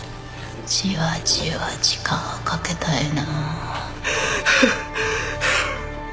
じわじわ時間をかけたいな